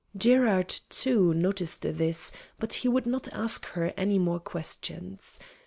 Gerard, too, noticed this, but he would not ask her any more questions.